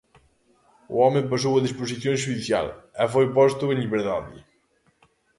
O home pasou a disposición xudicial e foi posto en liberdade.